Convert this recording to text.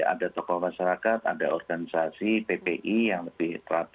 ada tokoh masyarakat ada organisasi ppi yang lebih terapi